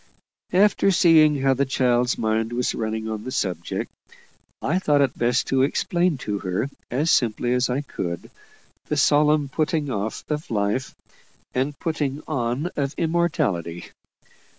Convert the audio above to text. And seeing how the child's mind was running on the subject, I thought it best to explain to her as simply as I could, the solemn putting off of life and putting on of immortality.